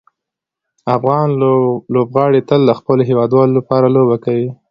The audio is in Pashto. افغان لوبغاړي تل د خپلو هیوادوالو لپاره لوبه کوي.